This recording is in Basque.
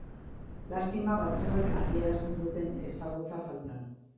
Lastima batzuek adierazten duten ezagutza falta.